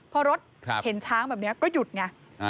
พอรถเห็นช้างแบบนี้ก็หยุดไง